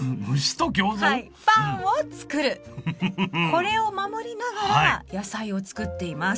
これを守りながら野菜を作っています。